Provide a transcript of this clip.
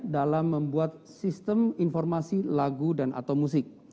dalam membuat sistem informasi lagu dan atau musik